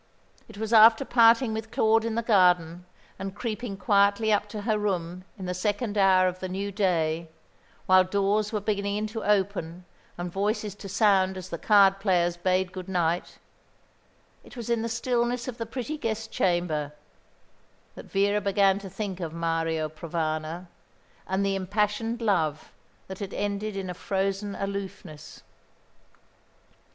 It was after parting with Claude in the garden, and creeping quietly up to her room in the second hour of the new day, while doors were beginning to open and voices to sound as the card players bade good night; it was in the stillness of the pretty guest chamber that Vera began to think of Mario Provana, and the impassioned love that had ended in a frozen aloofness.